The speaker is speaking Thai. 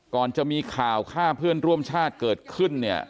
ก่อนจะมีข่าวฆ่าเพื่อนร่วมชาติเกิดขึ้นเนี่ย